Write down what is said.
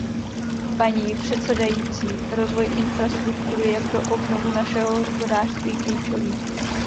Paní předsedající, rozvoj infrastruktury je pro obnovu našeho hospodářství klíčový.